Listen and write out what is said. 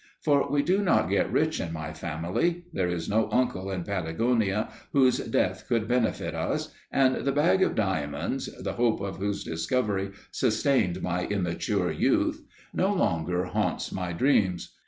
For we do not get rich in my family; there is no uncle in Patagonia whose death could benefit us, and the bag of diamonds, the hope of whose discovery sustained my immature youth, no longer haunts my dreams.